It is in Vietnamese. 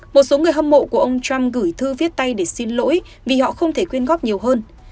một số người hâm mộ của ông trump gửi thư viết tay để xin lỗi vì họ không thể quyên góp nhiều hơn